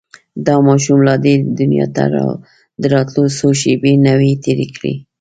دا ماشوم لا دې دنيا ته د راتلو څو شېبې نه وې تېرې کړې.